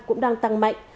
cũng đang tăng mạnh